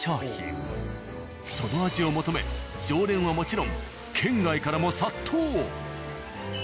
その味を求め常連はもちろん県外からも殺到。